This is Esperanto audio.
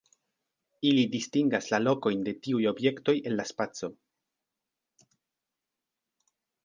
Ili distingas la lokojn de tiuj objektoj en la spaco.